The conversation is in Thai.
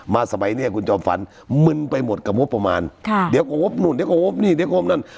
สมัยเนี้ยคุณจอมฝันมึนไปหมดกับงบประมาณค่ะเดี๋ยวก็งบนู่นเดี๋ยวก็งบนี่เดี๋ยวงบนั่น